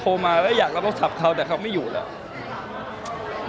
มาแล้วอยากรับโทรศัพท์เขาแต่เขาไม่อยู่แล้ว